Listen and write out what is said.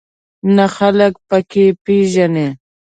نه خلک په کې پېژنې.